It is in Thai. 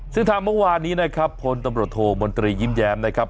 ซึ่งทางเมื่อวานนี้นะครับพลตำรวจโทมนตรียิ้มแย้มนะครับ